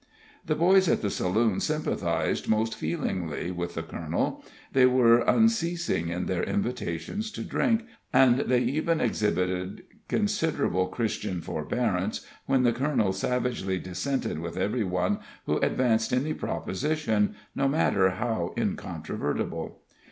The boys at the saloon sympathized most feelingly with the colonel; they were unceasing in their invitations to drink, and they even exhibited considerable Christian forbearance when the colonel savagely dissented with every one who advanced any proposition, no matter how incontrovertible.